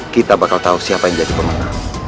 kita bakal tahu siapa yang jadi pemenang